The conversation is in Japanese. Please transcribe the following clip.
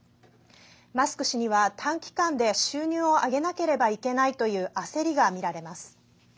マスク氏には短期間で収入を上げなければいけないという焦りがみられます。